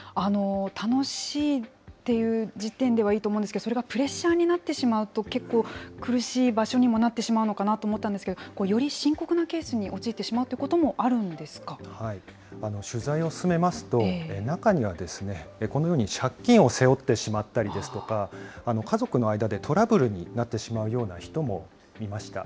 楽しいっていう時点ではいいと思うんですけれども、それがプレッシャーになってしまうと、結構、苦しい場所にもなってしまうのかなと思ったんですけど、より深刻なケースに陥ってしまうというこ取材を進めますと、中にはこのように借金を背負ってしまったりですとか、家族の間でトラブルになってしまうような人もいました。